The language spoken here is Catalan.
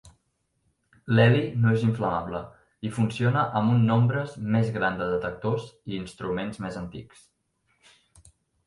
L'heli no és inflamable i funciona amb un nombres més gran de detectors i instruments més antics.